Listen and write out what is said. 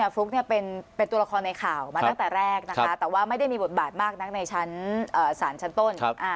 ฟลุ๊กเป็นตัวละครในข่าวมาตั้งแต่แรกนะคะแต่ว่าไม่ได้มีบทบาทมากนักในชั้นศาลชั้นต้น